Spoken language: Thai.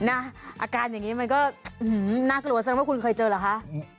อาการอย่างนี้มันก็น่ากลัวซะว่าคุณเคยเจอเหรอคะ